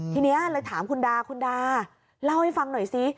ทีนี้เลยถามคุณดาคุณดาเล่าให้ฟังหน่อยซิ